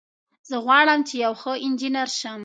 زه غواړم چې یو ښه انجینر شم